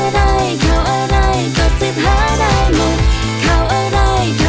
หรือว่าหยิ้มปลูกใจเลย